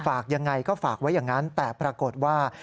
ยังไงก็ฝากไว้อย่างนั้นแต่ปรากฏว่า